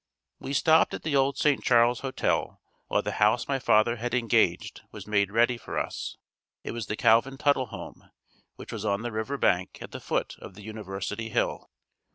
We stopped at the old St. Charles Hotel while the house my father had engaged was made ready for us. It was the Calvin Tuttle home, which was on the river bank at the foot of the University hill.